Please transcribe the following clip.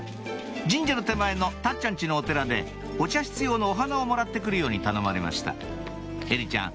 神社の手前のたっちゃん家のお寺でお茶室用のお花をもらって来るよう頼まれました絵理ちゃん